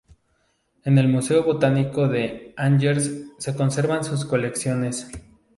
En el Museo botánico de Angers se conservan sus colecciones.